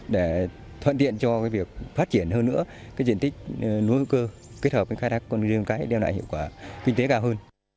để thoạn tiện cho việc phát triển hơn nữa diện tích lúa hữu cơ kết hợp với khai thác rươi đem lại hiệu quả kinh tế cao hơn